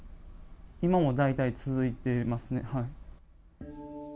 今も大体続いてますね。